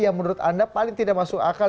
yang menurut anda paling tidak masuk akal